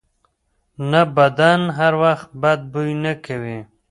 نه، بدن هر وخت بد بوی نه کوي.